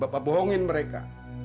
bapak bohongin mereka